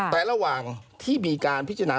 แต่ระหว่างที่มีการพิจารณา